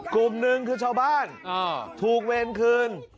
กลุ่มหนึ่งคือชาวบ้านถูกเวรคืน